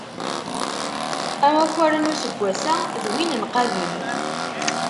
Amakar n useggwass-a, d win n qabel.